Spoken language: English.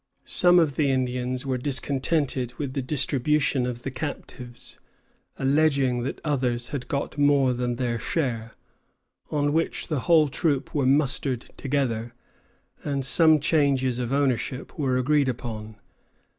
Some of the Indians were discontented with the distribution of the captives, alleging that others had got more than their share; on which the whole troop were mustered together, and some changes of ownership were agreed upon.